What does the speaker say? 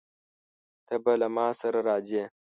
ته به له ما سره راځې؟